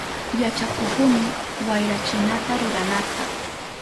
Yachakuhuni wayrachinata ruranata.